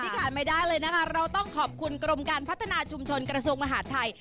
ขาดไม่ได้เลยนะคะเราต้องขอบคุณกรมการพัฒนาชุมชนกระทรวงมหาดไทย